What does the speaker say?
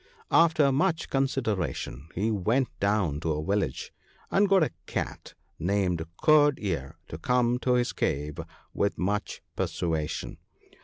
After much consideration he went down to a village, and got a Cat named Curd ear to come to his cave with much persuasion.